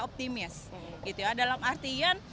optimis dalam artian